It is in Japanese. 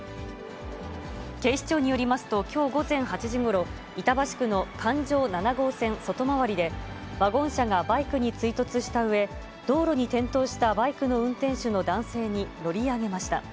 警視庁によりますと、きょう午前８時ごろ、板橋区の環状７号線外回りで、ワゴン車がバイクに追突したうえ、道路に転倒したバイクの運転手の男性に乗り上げました。